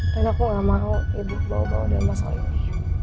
dan aku gak mau ibu bawa bawa dia masalah ini